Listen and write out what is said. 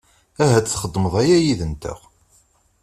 Ahat txedmeḍ aya yid-nteɣ.